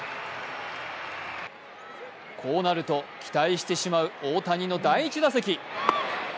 こうなると、期待してしまう大谷の第１打席。